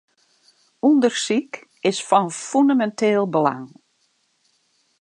Undersyk is fan fûneminteel belang.